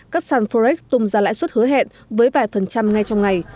các sàn forex tung ra lãi suất hứa hẹn với vài phần trăm ngay trong ngày